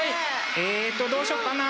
えっとどうしようかな。